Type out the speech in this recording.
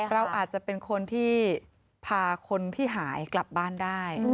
เราอาจจะเป็นคนที่พาคนที่หายกลับบ้านได้